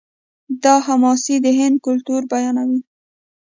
دا حماسې د هند کلتور بیانوي.